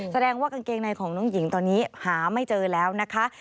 แสดงว่ากางเกงในของน้องหญิงตอนนี้หาไม่เจอแล้วนะคะ